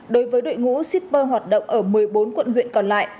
đối với đội ngũ shipper hoạt động ở một mươi bốn quận huyện còn lại